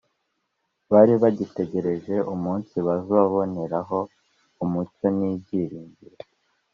bari bagitegereje umunsi bazaboneraho umucyo n’ibyiringiro